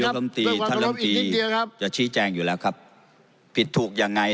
เมื่อกว่ากระทบอีกนิดเดียวครับจะชี้แจงอยู่แล้วครับผิดถูกยังไง